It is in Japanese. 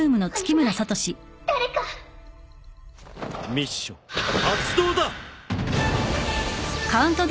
ミッション発動だ！